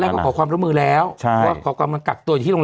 แรกก็ขอความร่วมมือแล้วใช่ขอความร่วมมันกักตัวที่โรง